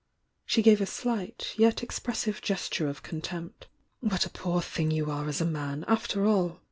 She gave a slight, yet expressive gesture of con tempt. "What a poor thing you are as a man, after all!"